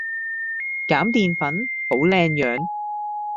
減澱粉保靚樣